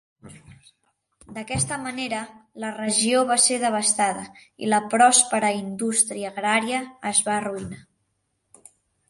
D'aquesta manera, la regió va ser devastada i la pròspera indústria agrària es va arruïnar.